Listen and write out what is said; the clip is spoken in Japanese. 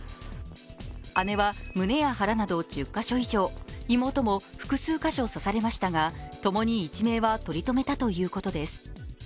姉は胸や腹など１０カ所以上、妹も複数箇所刺されましたが共に一命は取り留めたということです。